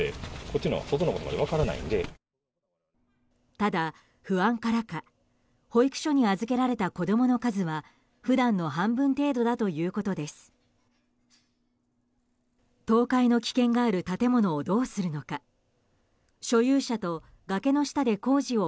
ただ、不安からか保育所に預けられた子供の数は普段の半分程度だということです。